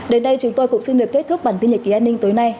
đến đây chúng tôi cũng xin được kết thúc bản tin nhật ký an ninh tối nay